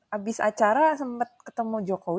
habis acara sempat ketemu jokowi